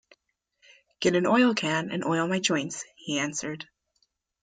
"Get an oil-can and oil my joints," he answered.